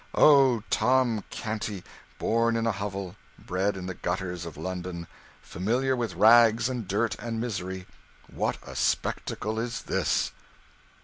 O Tom Canty, born in a hovel, bred in the gutters of London, familiar with rags and dirt and misery, what a spectacle is this!